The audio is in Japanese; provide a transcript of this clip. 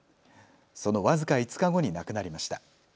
その僅か５日後に亡くなりました。